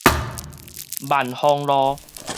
萬芳路